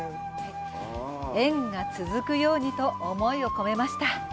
縁が続くようにと思いを込めました。